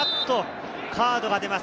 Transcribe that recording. カードが出ます。